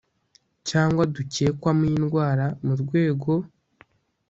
cyangwa dukekwamo indwara mu rwego